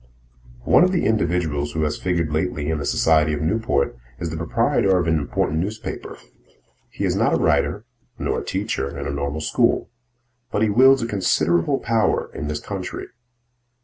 One of the individuals who has figured lately in the society of Newport is the proprietor of an important newspaper. He is not a writer, nor a teacher in a normal school, but he wields a considerable power in this country.